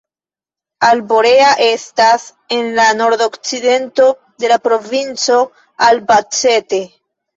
Alborea estas en la nordokcidento de la provinco Albacete.